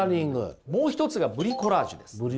もう一つがブリコラージュです。